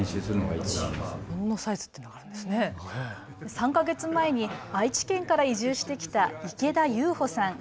３か月前に愛知県から移住してきた池田祐輔さん。